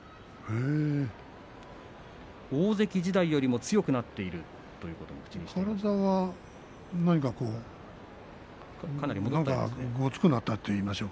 大関時代よりも強くなっているということを口にしていました。